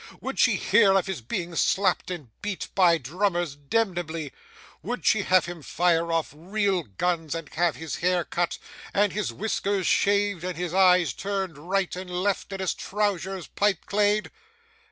Would she hear of his being slapped and beat by drummers demnebly? Would she have him fire off real guns, and have his hair cut, and his whiskers shaved, and his eyes turned right and left, and his trousers pipeclayed?